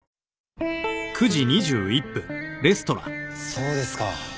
そうですか。